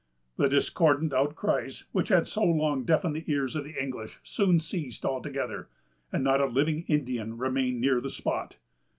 The discordant outcries which had so long deafened the ears of the English soon ceased altogether, and not a living Indian remained near the spot.